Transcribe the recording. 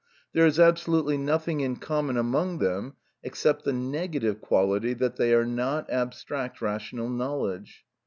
There is absolutely nothing in common among them except the negative quality that they are not abstract rational knowledge.